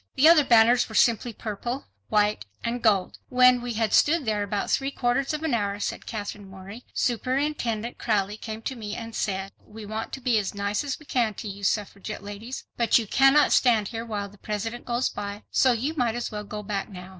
The other banners were simply purple, white and gold. "When we had stood there about three quarters of an hour," said Katherine Morey, "Superintendent Crowley came to me and said, 'We want to be as nice as we can to you suffragette ladies, but you cannot stand here while the President goes by, so you might as well go back now.